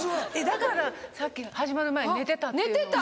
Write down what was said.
だからさっき始まる前寝てた？